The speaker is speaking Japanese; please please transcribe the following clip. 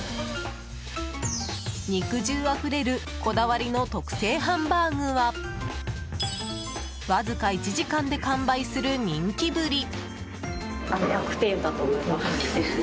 肉汁あふれるこだわりの特製ハンバーグはわずか１時間で完売する人気ぶり。